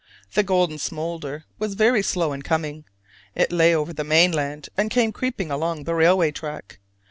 The golden smolder was very slow in coming: it lay over the mainland and came creeping along the railway track.